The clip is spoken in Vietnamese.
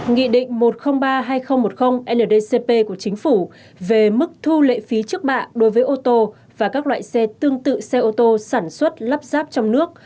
nghị định một trăm linh ba hai nghìn một mươi ndcp của chính phủ về mức thu lệ phí trước bạ đối với ô tô và các loại xe tương tự xe ô tô sản xuất lắp ráp trong nước